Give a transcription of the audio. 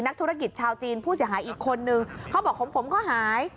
นักธุรกิจชาวจีนผู้เสียหายอีกคนนึงเขาบอกของผมก็หาย